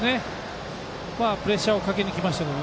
プレッシャーをかけにきました。